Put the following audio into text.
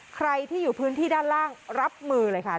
ใครที่อยู่พื้นที่ด้านล่างรับมือเลยค่ะ